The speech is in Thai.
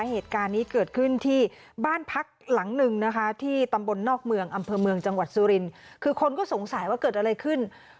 เหตุการณ์นี้เกิดขึ้นที่บ้านพักหลังหนึ่งนะคะที่ตำบลนอกเมืองอำเภอเมืองจังหวัดสุรินคือคนก็สงสัยว่าเกิดอะไรขึ้น